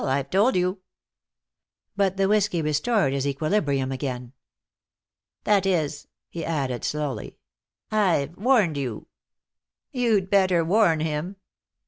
I've told you." But the whiskey restored his equilibrium again. "That is," he added slowly, "I've warned you. You'd better warn him.